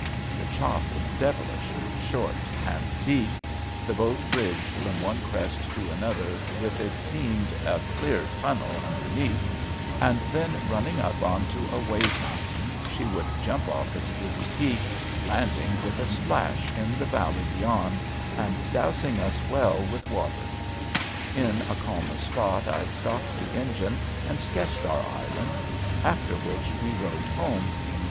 The chop was devilish, short and deep; the boat bridged from one crest to another with, it seemed, a clear tunnel underneath, and then running up onto a wave mountain she would jump off its dizzy peak landing with a splash in the valley beyond and dousing us well with water. In a calmer spot I stopped the engine and sketched our island; after which we rowed home.